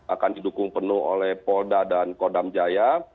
akan didukung penuh oleh polda dan kodam jaya